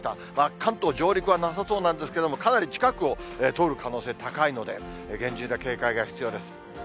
関東上陸はなさそうなんですけれども、かなり近くを通る可能性高いので、厳重な警戒が必要です。